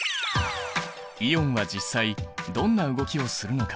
イオンは実際どんな動きをするのか？